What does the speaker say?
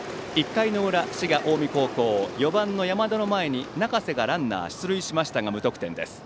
１回の裏、滋賀・近江高校４番、山田の前に中瀬がランナー出塁しましたが無得点です。